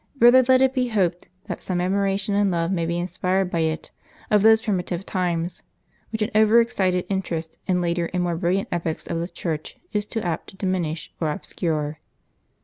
Rather let it be hoped, that some admiration and love may be inspired by it of those primitive times, which an over excited interest in later and more brilliant epochs of the Church is too apt to diminish or obscure.